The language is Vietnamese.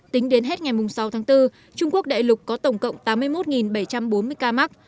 tính đến hết ngày sáu tháng bốn trung quốc đại lục có tổng cộng tám mươi một bảy trăm bốn mươi ca mắc